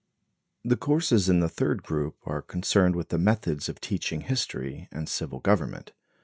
The courses in the third group are concerned with the methods of teaching history and civil government.